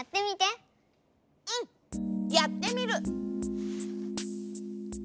やってみる！